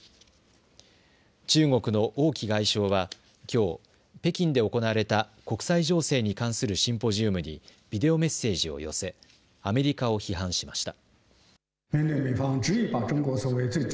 中国の王毅外相はきょう、北京で行われた国際情勢に関するシンポジウムにビデオメッセージを寄せアメリカを批判しました。